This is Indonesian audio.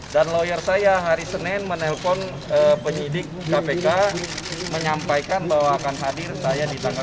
dan lawyer saya hari senin menelpon penyidik kpk menyampaikan bahwa akan hadir saya di tanggal dua puluh delapan